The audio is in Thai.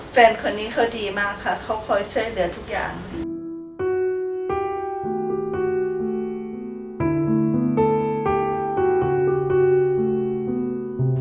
แฟนคนนี้เขาดีมากค่ะเขาคอยช่วยเหลือทุกอย่าง